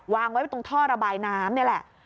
วางไว้ตรงท่อระบายน้ำนี่แหละ